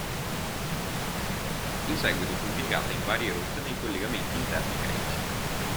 In seguito fu impiegata in varie rotte nei collegamenti interni greci.